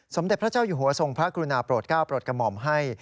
สมเด็จพระเจ้าอยู่หัวทรงพระกรุณาโปรดก้าวโปรดกระหม่อมให้